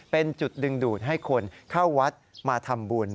เป็นจุดดึงดูดให้คนเข้าวัดมาทำบุญ